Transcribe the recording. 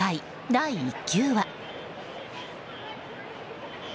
第１球は。